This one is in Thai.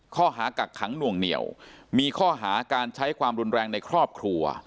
กักขังหน่วงเหนียวมีข้อหาการใช้ความรุนแรงในครอบครัว